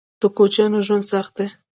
_د کوچيانو ژوند سخت دی.